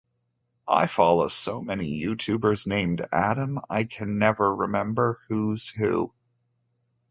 I follow so many YouTubers named Adam I can never remember who's who.